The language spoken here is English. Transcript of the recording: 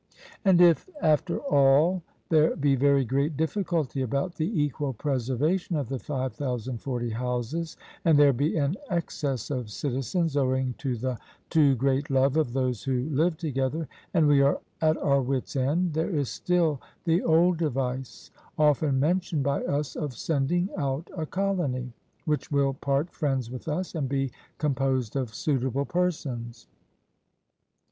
And if after all there be very great difficulty about the equal preservation of the 5040 houses, and there be an excess of citizens, owing to the too great love of those who live together, and we are at our wits' end, there is still the old device often mentioned by us of sending out a colony, which will part friends with us, and be composed of suitable persons.